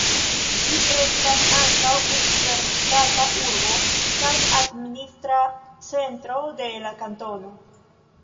Ĝi estas ankaŭ universitata urbo kaj administra centro de la kantono.